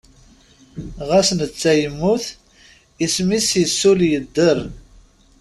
Ɣas netta yemmut, isem-is isul yedder.